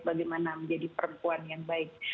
bagaimana menjadi perempuan yang baik